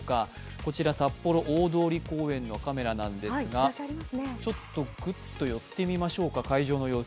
こちら、札幌大通公園のカメラなんですが、グッと寄ってみましょうか、会場の様子。